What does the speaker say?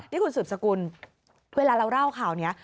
นี่คุณสืบสกุลเวลาเราเล่าข่าวนี้